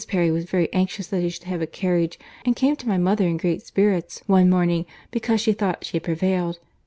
Perry was very anxious that he should have a carriage, and came to my mother in great spirits one morning because she thought she had prevailed.